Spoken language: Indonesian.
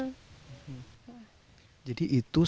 jadi itu sebuah kejadian yang terjadi di dalam rumah ibu